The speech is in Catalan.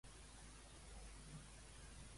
Quina possible circumstància tenen ara?